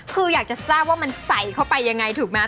คืออยากจะทราบว่ามันใส่เข้าไปยังไงถูกไหม